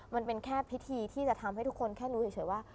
มันเป็นแค่พิธีที่จะทำให้ทุกคนแค่รู้เฉยว่า